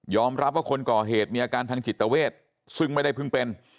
รับว่าคนก่อเหตุมีอาการทางจิตเวทซึ่งไม่ได้เพิ่งเป็น